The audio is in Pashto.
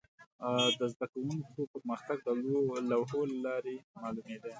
د زده کوونکو پرمختګ د لوحو له لارې معلومېده.